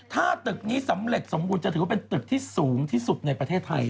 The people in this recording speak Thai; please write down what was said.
ถ้าตึกนี้สำเร็จสมบูรณจะถือว่าเป็นตึกที่สูงที่สุดในประเทศไทย